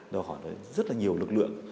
rồi họ rất là nhiều lực lượng